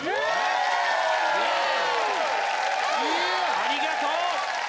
ありがとう！